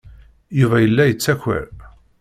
Yuba yella yettaker.